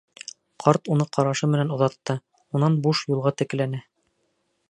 Ҡарт уны ҡарашы менән оҙатты, унан буш юлға текләне.